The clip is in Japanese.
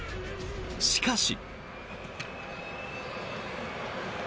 しかし。